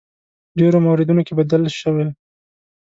ډېرو موردونو کې بدل شوی.